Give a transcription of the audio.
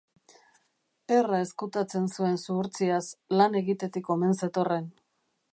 Herra ezkutatzen zuen zuhurtziaz, lan egitetik omen zetorren.